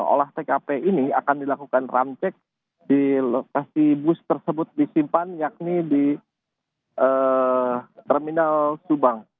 oleh karena ini di olah tkp ini akan dilakukan ram cek di lokasi bus tersebut disimpan yakni di terminal subang